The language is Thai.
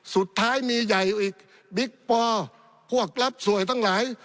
สุดท้ายมีใหญ่อีกบิ๊กปอพวกรับสวยทั้งหลาย